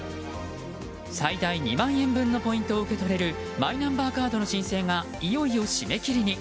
最大２万円分のポイントを受け取れるマイナンバーカードの申請がいよいよ締め切りに。